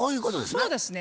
そうですね。